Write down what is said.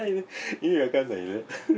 意味わかんないよね。